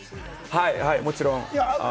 はいはい、もちろん。